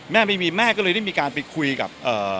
แม่ไม่มีแม่ก็เลยได้มีการไปคุยกับ